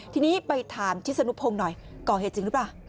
ทีนี้ไปถามทิศนุพงศ์หน่อยก่อเหตุจริงหรือเปล่า